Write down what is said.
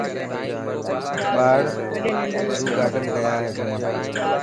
ٻاڙ زو گارڊن گيا هي گھمڻ.